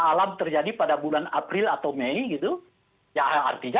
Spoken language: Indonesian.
ayo kita bicara bagaimana sikap partai partainya